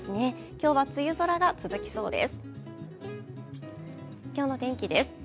今日は梅雨空が続きそうです。